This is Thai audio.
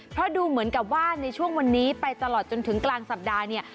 เพราะดูเหมือนกับว่าในช่วงวันนี้ไปตลอดจนถึงกลางสัปดาห์เนี่ย